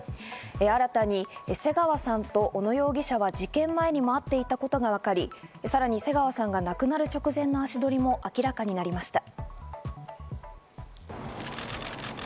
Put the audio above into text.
新たに瀬川さんと小野容疑者は事件前にも会っていたことがわかり、さらに瀬川さんが亡くなる直前の足取りも明らかになりました。